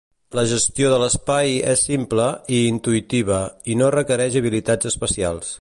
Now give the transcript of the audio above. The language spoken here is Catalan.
La gestió de l'espai és simple i intuïtiva i no requereix habilitats especials.